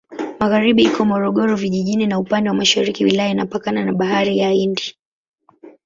Magharibi iko Morogoro Vijijini na upande wa mashariki wilaya inapakana na Bahari ya Hindi.